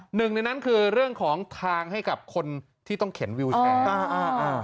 หนึ่งในนั้นคือเรื่องของทางให้กับคนที่ต้องเข็นวิวแชร์